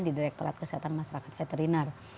di direkturat kesehatan masyarakat veterinar